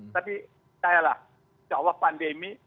tapi sayalah seolah olah pandemi